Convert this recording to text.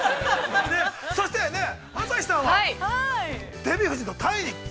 そして、朝日さんは、デヴィ夫人とタイに。